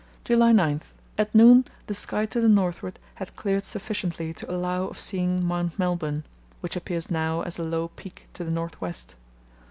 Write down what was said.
"July 9.—At noon the sky to the northward had cleared sufficiently to allow of seeing Mount Melbourne, which appears now as a low peak to the north west.